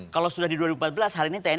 kalau sudah di dua ribu empat belas hari ini tni